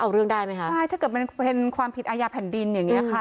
เอาเรื่องได้ไหมคะใช่ถ้าเกิดมันเป็นความผิดอาญาแผ่นดินอย่างเงี้ค่ะ